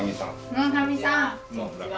村上さん。